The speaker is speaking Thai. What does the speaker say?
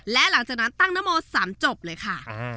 และหลังจากนั้นตั้งนโม๓จบเลยค่ะ